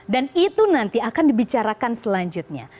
itu nanti akan dibicarakan selanjutnya